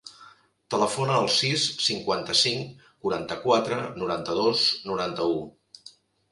Telefona al sis, cinquanta-cinc, quaranta-quatre, noranta-dos, noranta-u.